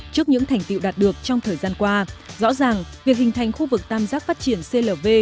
trước những thành tiệu đạt được trong thời gian qua rõ ràng việc hình thành khu vực tam giác phát triển clv